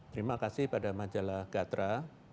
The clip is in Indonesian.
terima kasih pada majalah gatra